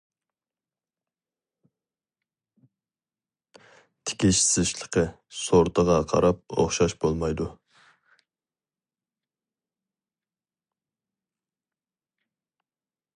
تىكىش زىچلىقى سورتىغا قاراپ ئوخشاش بولمايدۇ.